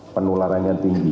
penularan yang tinggi